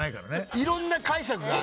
いろんな解釈があんの。